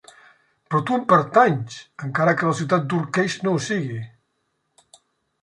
Però tu em pertanys, encara que la ciutat d'Urkesh no ho sigui.